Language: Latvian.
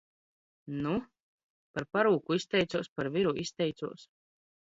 Nu? Par parūku izteicos, par viru izteicos!